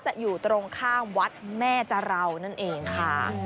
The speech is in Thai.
อยู่ตรงข้ามวัดแม่จาราวนั่นเองค่ะ